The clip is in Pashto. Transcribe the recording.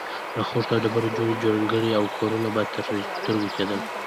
له خښتو او ډبرو جوړې جونګړې او کورونه به مې تر سترګو کېدل.